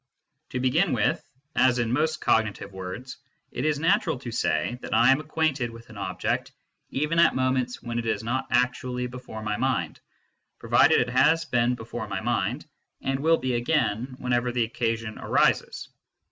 To begin with, as in most cog nitive words, it is natural to say that I_am acquainted with an object even at moments when it is not actually before my mind, provided it has been before my mind, and will be again whenever occasion arises.